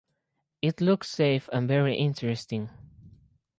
It looks safe and very interesting.